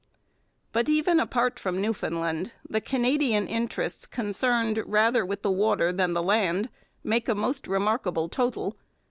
But, even apart from Newfoundland, the Canadian interests concerned rather with the water than the land make a most remarkable total.